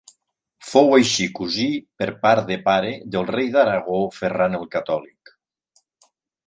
Fou així cosí per part de pare del rei d'Aragó Ferran el Catòlic.